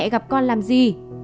gặp con làm gì